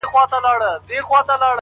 ددې ښـــــار څــــو ليونـيـو’